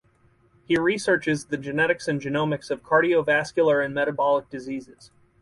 He researches the genetics and genomics of cardiovascular and metabolic diseases.